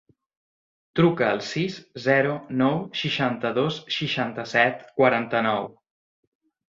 Truca al sis, zero, nou, seixanta-dos, seixanta-set, quaranta-nou.